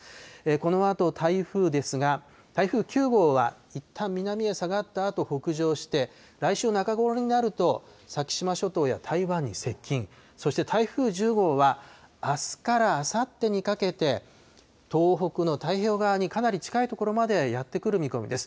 このあと台風ですが、台風９号は、いったん南へ下がったあと、北上して、来週中頃になると、先島諸島や台湾に接近、そして台風１０号は、あすからあさってにかけて、東北の太平洋側にかなり近い所までやって来る見込みです。